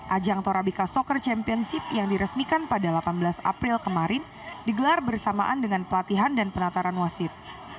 ajang torabica soccer championship yang diresmikan pada delapan belas april kemarin digelar bersamaan dengan pelatihan dan penataran wasit